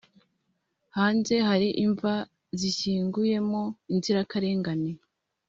Hanze hari imva zishyinguyemo inzirakarengane